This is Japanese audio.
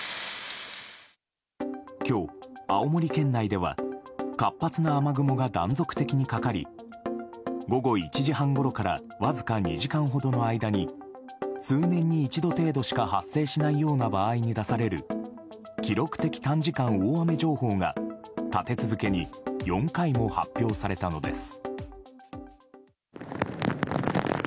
今日、青森県内では活発な雨雲が断続的にかかり午後１時半ごろからわずか２時間ほどの間に数年に一度程度しか発生しないような場合に出される記録的短時間大雨情報が立て続けに４回も発表されたのです。